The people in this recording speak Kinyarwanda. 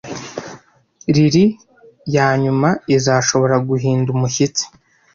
lili yanyuma izashobora guhinda umushyitsi